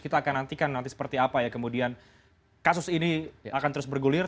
kita akan nantikan nanti seperti apa ya kemudian kasus ini akan terus bergulir